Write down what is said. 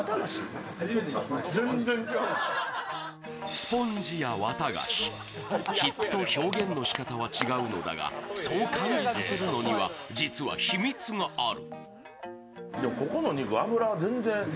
スポンジやわたがし、きっと表現のしかたは違うのだがそう感じさせるのには実は秘密がある。